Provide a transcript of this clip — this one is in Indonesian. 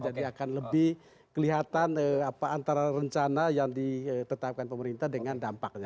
jadi akan lebih kelihatan antara rencana yang ditetapkan pemerintah dengan dampaknya